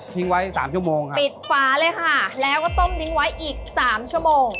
ทิ้งไว้๓ชั่วโมงครับปิดฟ้าเลยค่ะแล้วก็ต้มทิ้งไว้อีก๓ชั่วโมง